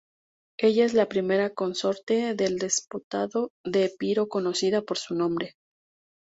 Ella es la primera consorte del Despotado de Epiro conocida por su nombre.